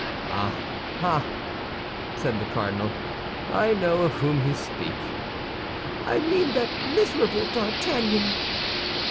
"Ah, ah!" said the cardinal, "I know of whom you speak." "I mean that miserable D'Artagnan."